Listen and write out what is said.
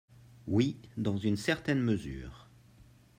Oui, dans une certaine mesure.